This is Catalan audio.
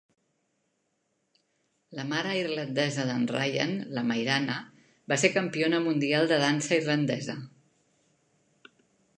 La mare irlandesa d'en Ryan, la Mairanna, va ser campiona mundial de dansa irlandesa.